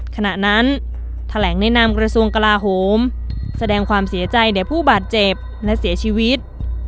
ขณะนั้นแถลงในนามกระทรวงกลาโหมแสดงความเสียใจแด่ผู้บาดเจ็บและเสียชีวิต